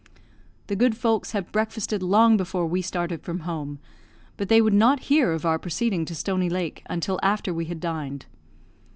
The good folks had breakfasted long before we started from home, but they would not hear of our proceeding to Stony Lake until after we had dined.